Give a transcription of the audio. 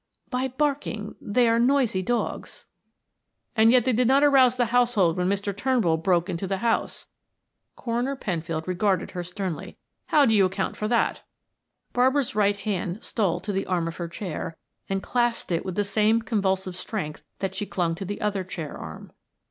"By barking they are noisy dogs." "And yet they did not arouse the household when Mr. Turnbull broke into the house" Coroner Penfield regarded her sternly. "How do you account for that?" Barbara's right hand stole to the arm of her chair and clasped it with the same convulsive strength that she clung to the other chair arm.